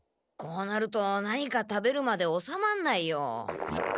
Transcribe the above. こうなると何か食べるまでおさまんないよ。